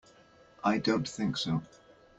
I don't think so.